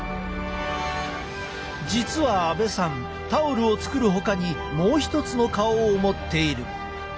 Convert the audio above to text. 実は阿部さんタオルを作るほかにもう一つの顔を持っている。